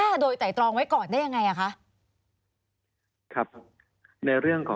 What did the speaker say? มีความรู้สึกว่ามีความรู้สึกว่า